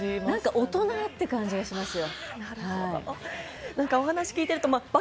大人って感じがしますよ。